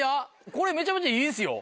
これめちゃめちゃいいですよ。